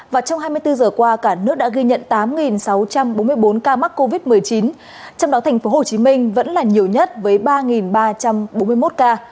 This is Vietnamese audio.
và trong hai mươi bốn giờ qua cả nước đã ghi nhận tám sáu trăm bốn mươi bốn ca mắc covid một mươi chín trong đó thành phố hồ chí minh vẫn là nhiều nhất với ba ba trăm bốn mươi một ca